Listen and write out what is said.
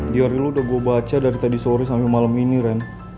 di hari lu udah gue baca dari tadi sore sampai malam ini ren